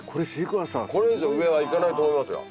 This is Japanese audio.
これ以上上は行かないと思いますよ。